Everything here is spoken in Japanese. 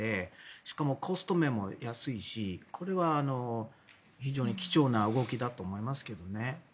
しかもコスト面も安いしこれは非常に貴重な動きだと思いますけどね。